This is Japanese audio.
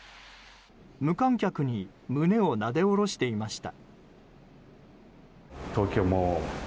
無観客に胸をなで下ろしていました。